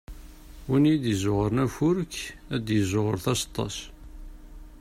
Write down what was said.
Win i d-izzuɣren afurk, ad d-izzuɣer taseṭṭa-s.